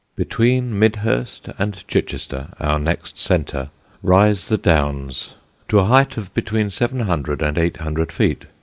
Between Midhurst and Chichester, our next centre, rise the Downs, to a height of between seven hundred and eight hundred feet.